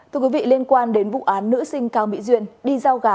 thưa quý vị liên quan đến vụ án nữ sinh cao mỹ duyên đi giao gà